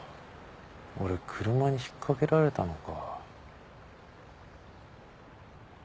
俺車にひっかけられたのか。